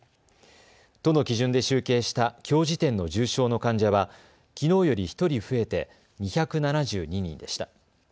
都の基準で集計したきょう時点の重症の患者はきのうより１人増えて２７２人でした。